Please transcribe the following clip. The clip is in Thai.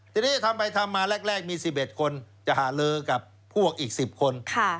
ทีนี้ทำไปทำมาแรกมี๑๑คนจะหาลือกับพวกอีก๑๐คน